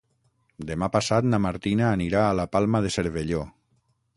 Demà passat na Martina anirà a la Palma de Cervelló.